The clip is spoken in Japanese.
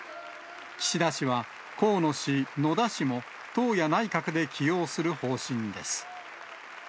岸田氏は河野氏、野田氏も、党や内閣で起用する方針です。